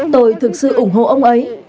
tôi thực sự ủng hộ ông